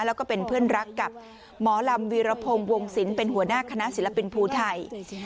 แล้วก็เป็นเพื่อนรักกับหมอลำวีรพงศ์วงศิลป์เป็นหัวหน้าคณะศิลปินภูไทย